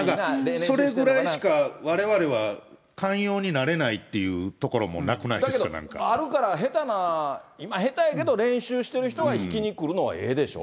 それくらいしかわれわれは寛容になれないっていうところもなくなあるから、下手な、今、下手やけど、練習してる人が弾きに来るのはええでしょ。